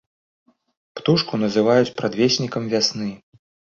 Птушку называюць прадвеснікам вясны.